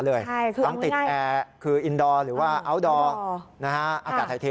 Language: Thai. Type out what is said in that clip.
ทั้งติดแอร์คืออินดอร์หรือว่าอัลดอร์อากาศไทยเท